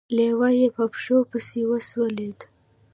لېوه يې په پښو پسې وسولېد.